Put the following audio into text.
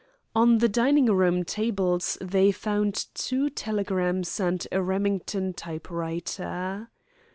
On the dining room tables they found two telegrams and a Remington type writer.